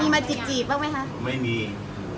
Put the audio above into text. มีมาจีบบ้างไหมครับ